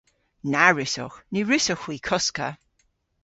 Na wrussowgh. Ny wrussowgh hwi koska.